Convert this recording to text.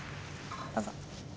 どうぞ。